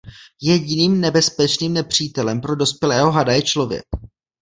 Jediným nebezpečným nepřítelem pro dospělého hada je člověk.